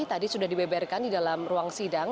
tadi sudah dibeberkan di dalam ruang sidang